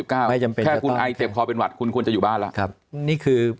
แค่คุณไอเจ็บคอเป็นหวัดคุณควรจะอยู่บ้านแล้ว